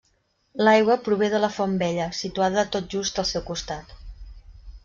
L'aigua prové de la font Vella, situada tot just al seu costat.